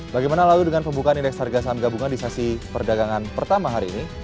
bagaimana lalu dengan pembukaan indeks harga saham gabungan di sesi perdagangan pertama hari ini